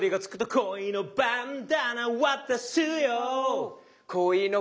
「恋のバンダナ渡すよ」